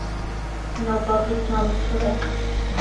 Ñawpaykitrawmi truray.